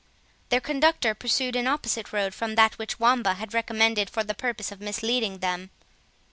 Their conductor pursued an opposite road from that which Wamba had recommended, for the purpose of misleading them.